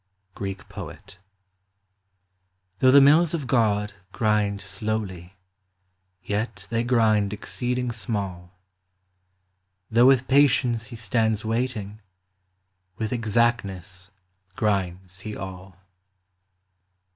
5 )— Greek Poet. Though the mills of God grind slowly, yet they grind exceeding small ; Though Avith patience he stands waiting, with ex actness grinds he all.